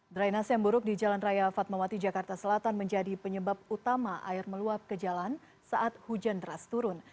drainase yang buruk di jalan raya fatmawati jakarta selatan menjadi penyebab utama air meluap ke jalan saat hujan deras turun